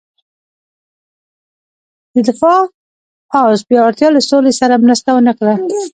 د دفاع پوځ پیاوړتیا له سولې سره مرسته ونه کړه.